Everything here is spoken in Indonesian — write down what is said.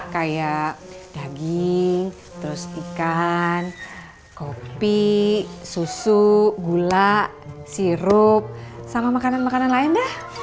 kayak daging terus ikan kopi susu gula sirup sama makanan makanan lain deh